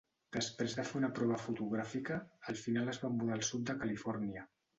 Després de fer una prova fotogràfica, al final es va mudar al sud de Califòrnia.